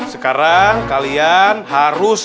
sekarang kalian harus